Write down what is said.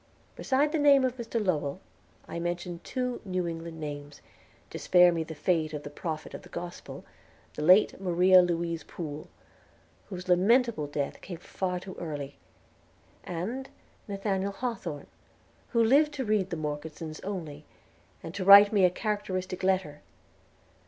Beside the name of Mr. Lowell, I mention two New England names, to spare me the fate of the prophet of the Gospel, the late Maria Louise Pool, whose lamentable death came far too early, and Nathaniel Hawthorne, who lived to read "The Morgesons" only, and to write me a characteristic letter.